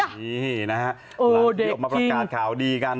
อัยยะโอ้เด็กจริงนี่นะฮะหลังที่ออกมาประกาศข่าวดีกัน